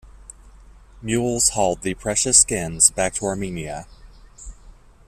Mules hauled the precious skins back to Armenia.